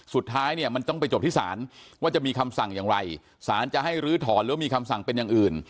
สุดท้ายเนี่ยมันต้องไปจบที่ศาลว่าจะมีคำสั่งอย่างไรสารจะให้ลื้อถอนหรือว่ามีคำสั่งเป็นอย่างอื่น